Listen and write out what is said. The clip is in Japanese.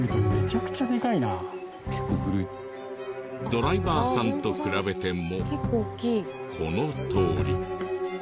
ドライバーさんと比べてもこのとおり。